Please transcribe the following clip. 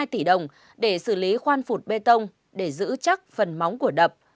một mươi hai tỷ đồng để xử lý khoan phụt bê tông để giữ chắc phần móng của đập